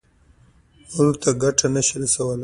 نورو ته ګټه نه شي رسولی.